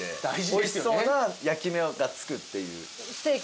おいしそうな焼き目がつくっていう。